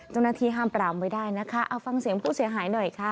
เจ้าหน้าที่ห้ามปรามไว้ได้นะคะเอาฟังเสียงผู้เสียหายหน่อยค่ะ